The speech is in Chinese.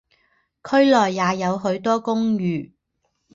区内也有许多公寓。